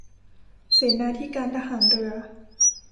เสนาธิการทหารเรือ